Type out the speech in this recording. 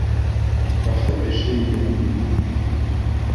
Башлы кеше ине Флинт!